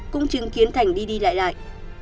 cũng chứng kiến thành đi đi lại lại